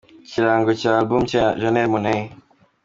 Ikirango cya album nshya ya Janelle Monae.